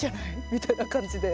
みたいな感じで。